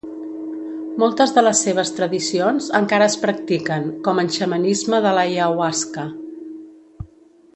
Moltes de les seves tradicions encara es practiquen, com en xamanisme de l'ayahuasca.